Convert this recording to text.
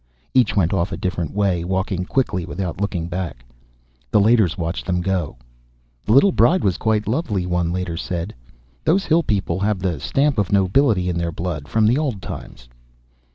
Each went off a different way, walking quickly without looking back. The Leiters watched them go. "The little bride was quite lovely," one Leiter said. "Those hill people have the stamp of nobility in their blood, from the old times."